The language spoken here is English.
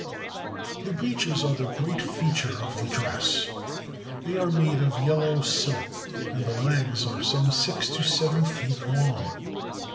The breeches are the great feature of the dress ; they are made of yellow silk, and the legs are some six to seven feet long